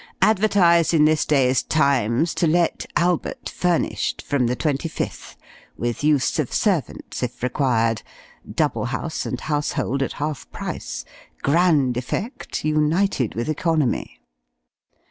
Advertised in this day's 'Times,' to let Albert, furnished, from the 25th, with use of servants, if required (double house and household at half price grand effect united with economy).